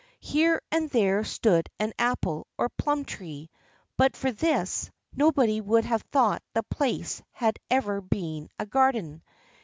Here and there stood an apple or a plum tree; but for this, nobody would have thought the place had ever been a garden.